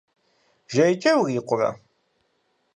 Жейкӏэ урикъурэ?